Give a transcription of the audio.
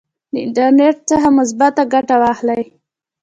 د انټرنیټ څخه مثبته ګټه واخلئ.